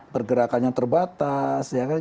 pergerakan yang terbatas ya kan